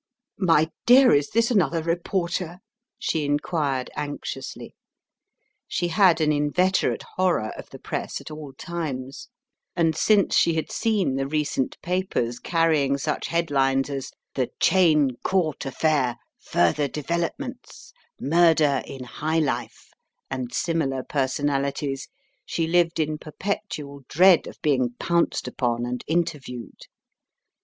"My dear, is this another reporter?" she inquired, anxiously. She had an inveterate horror of the press at all times, and since she had seen the recent papers carrying such head lines as "The Cheyne Court AflFair — Further Developments — Murder in High Life" and similar personalities, she lived in perpetual dread of being pounced upon and inter viewed.